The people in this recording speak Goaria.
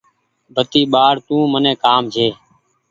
بتي ٻآڙ تو مني ڪآم ڇي۔